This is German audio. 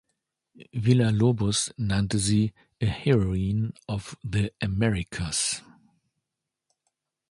Villa-Lobos nannte sie "a heroine of the Americas".